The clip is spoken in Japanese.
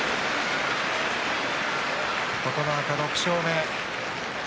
琴ノ若、６勝目。